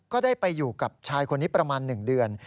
ก็ได้ไปอยู่กับชายคนนี้ประมาณ๑เดือน